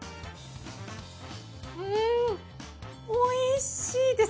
うん美味しいです。